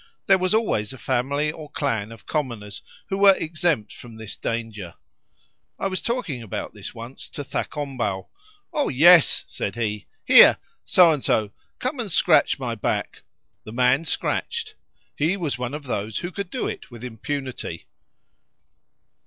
There was always a family or clan of commoners who were exempt from this danger. I was talking about this once to Thakombau. 'Oh yes,' said he. 'Here, So and so! come and scratch my back.' The man scratched; he was one of those who could do it with impunity."